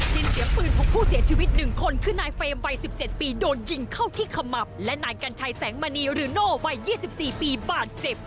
จิ้นเสียงปืนของผู้เสียชีวิตหนึ่งคนคือนายเฟรมวัยสิบเจ็ดปีโดนยิงเข้าที่ขมับและนายกัญชัยแสงมณีหรือโน่วัยยี่สิบสี่ปีบ้าเจ็บ